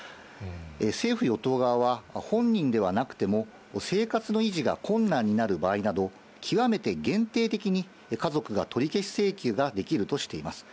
政府・与党側は、本人ではなくても、生活の維持が困難になる場合など、極めて限定的に家族が取り消し請求ができるとしています。